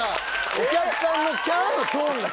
お客さんの「キャ！」のトーンが違う。